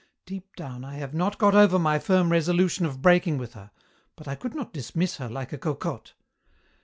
Deep down, I have not got over my firm resolution of breaking with her, but I could not dismiss her like a cocotte.